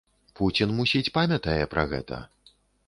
Пуцін мусіць памятае пра гэта.